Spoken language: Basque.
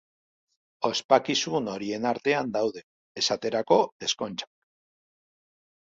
Ospakizun horien artean daude, esaterako, ezkontzak.